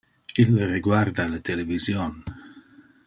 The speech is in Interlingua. Ille reguarda le television.